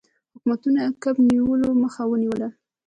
حکومت د کب نیولو مخه ونیوله.